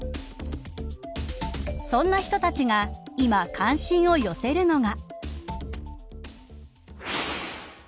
そんな人たちが今、関心を寄せるのが。